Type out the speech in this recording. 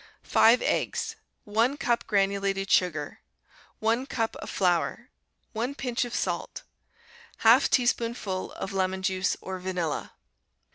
5 eggs. 1 cup granulated sugar. 1 cup of flour. 1 pinch of salt. 1/2 teaspoonful of lemon juice, or vanilla.